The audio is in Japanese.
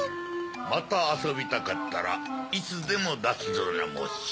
またあそびたかったらいつでもだすぞなもし。